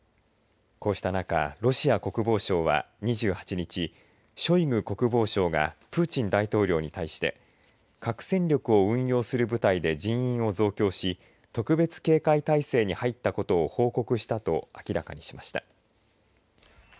こうした中、ロシア国防省は２８日ショイグ国防相がプーチン大統領に対して核戦力を運用する部隊で人員を増強し特別警戒態勢に入ったことを報告したと明らかにしました。